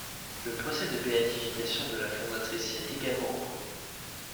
Le procès de béatification de la fondatrice est également en cours.